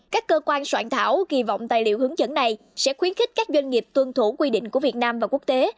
các cơ quan soạn thảo kỳ vọng tài liệu hướng dẫn này sẽ khuyến khích các doanh nghiệp tuân thủ quy định của việt nam và quốc tế